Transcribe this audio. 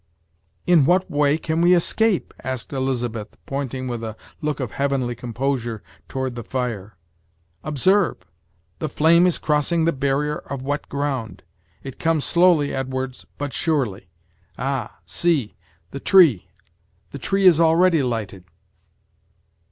"In what way can we escape?" asked Elizabeth, pointing with a look of heavenly composure toward the fire "Observe! the flame is crossing the barrier of wet ground it comes slowly, Edwards, but surely. Ah! see! the tree! the tree is already lighted!"